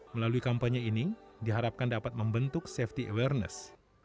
melalui kampanye ini diharapkan dapat membentuk safety awareness